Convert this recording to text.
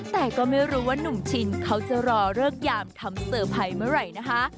แต่ก็ไม่รู้ว่านุ่มชินเขาจะรอเลิกยามทำเซอร์ไพรส์เมื่อไหร่นะคะ